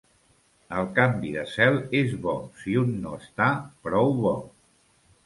El canvi de cel és bo si un no està prou bo.